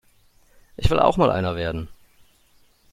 Ich will auch mal einer werden.